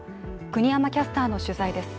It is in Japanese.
国山キャスターの取材です。